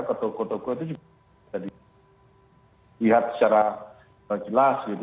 ke toko toko itu juga bisa dilihat secara jelas gitu